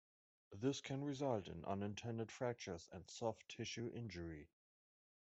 This can result in unintended fractures and soft tissue injury.